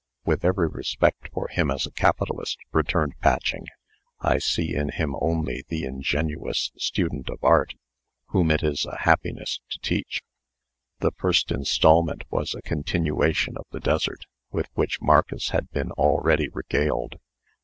"With every respect for him as a capitalist," returned Patching, "I see in him only the ingenuous student of Art, whom it is a happiness to teach." The first instalment was a continuation of the desert with which Marcus had been already regaled.